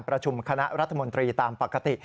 ประชุมคณะรัฐมนตรีตามปกติ